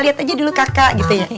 lihat aja dulu kakak gitu ya